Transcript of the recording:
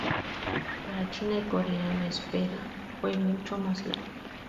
Para China y Corea, la espera fue mucho más larga.